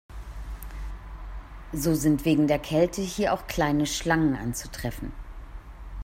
So sind wegen der Kälte hier auch keine Schlangen anzutreffen.